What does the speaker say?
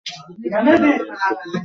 তিনি একজন গুরুত্বপূর্ণ ব্যক্তি ছিলেন।